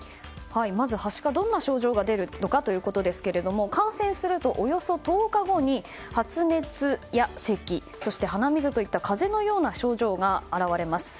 まず、はしかはどんな症状が出るのかですが感染するとおよそ１０日後に発熱やせきそして鼻水といった風邪のような症状が表れます。